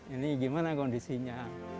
ini gimana kondisinya